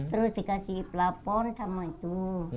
terus dikasih pelapor sama itu